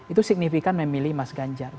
itu signifikan memilih mas ganjar